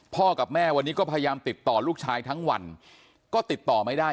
กับแม่วันนี้ก็พยายามติดต่อลูกชายทั้งวันก็ติดต่อไม่ได้